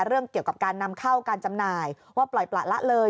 เรื่องเกี่ยวกับการนำเข้าการจำหน่ายว่าปล่อยประละเลย